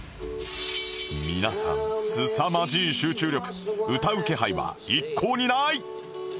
皆さんすさまじい集中力歌う気配は一向にない